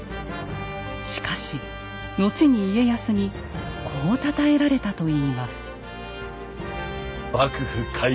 しかし後に家康にこうたたえられたといいます。